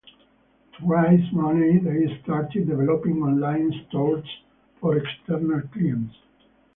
To raise money they started developing online stores for external clients.